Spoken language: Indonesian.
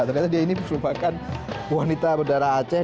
ternyata dia ini merupakan wanita berdarah aceh